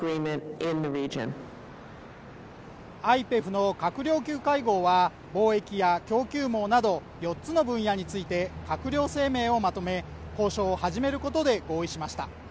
ＩＰＥＦの閣僚級会合は貿易や供給網など４つの分野について閣僚声明をまとめ交渉を始めることで合意しました